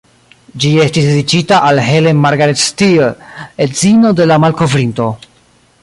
Ĝi estis dediĉita al "Helen Margaret Steel", edzino de la malkovrinto.